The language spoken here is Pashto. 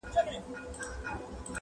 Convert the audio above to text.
په دريو مياشتو كي به ډېر كم بې لاسونو!.